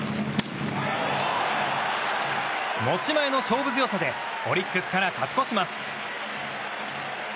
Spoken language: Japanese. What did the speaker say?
持ち前の勝負強さでオリックスから勝ち越します。